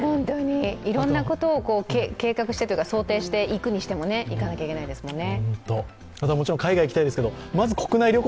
いろんなことを想定して、行くにしても行かなきゃいけないですもんね。